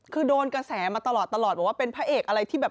คือโดนกระแสมาตลอดบอกว่าเป็นพระเอกอะไรที่แบบ